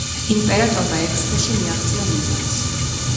იმპერატორმა ექვს თვეში მიაღწია მიზანს.